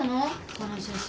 この写真。